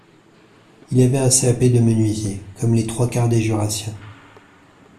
Il avait un CAP de menuisier, comme les trois quarts des jurassiens;